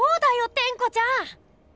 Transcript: テンコちゃん！